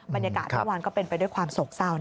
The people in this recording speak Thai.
บรรยากาศทุกวันก็เป็นไปด้วยความโศกเศร้า